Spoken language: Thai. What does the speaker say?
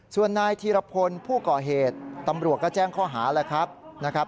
ส่วนนายธีรพลผู้ก่อเหตุตำรวจก็แจ้งข้อหาแล้วครับนะครับ